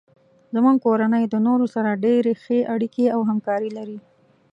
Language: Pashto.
زمونږ کورنۍ د نورو سره ډیرې ښې اړیکې او همکاري لري